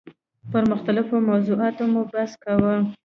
پر مختلفو موضوعاتو مو بحث کاوه.